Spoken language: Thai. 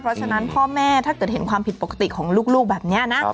เพราะฉะนั้นพ่อแม่ถ้าเกิดเห็นความผิดปกติของลูกแบบนี้นะ